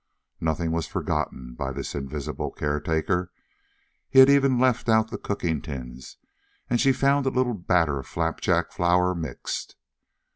Nothing was forgotten by this invisible caretaker; he had even left out the cooking tins, and she found a little batter of flapjack flour mixed.